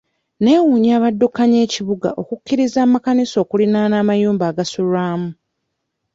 Neewuunya abaddukanya ekibuga okukkiriza amakanisa okuliraana amayumba agasulwamu.